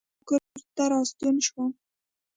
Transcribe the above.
او زۀ بېرته کورته راستون شوم ـ